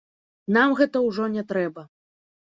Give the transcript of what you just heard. Нам гэта ўжо не трэба.